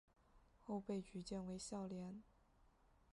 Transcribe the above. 后被举荐为孝廉。